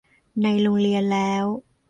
ในโรงเรียนแล้ว